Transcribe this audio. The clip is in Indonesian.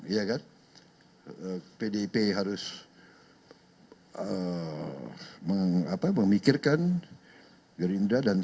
iya kan pdip harus memikirkan gerindra